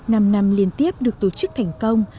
năm năm liên tiếp được tổ chức thành công